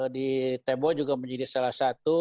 di tembo juga menjadi salah satu